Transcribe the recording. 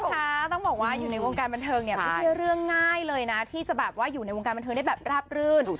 ค่ะต้องบอกว่าอยู่ในวงการบันเทิงเนี่ยไม่ใช่เรื่องง่ายเลยนะที่จะแบบว่าอยู่ในวงการบันเทิงได้แบบราบรื่น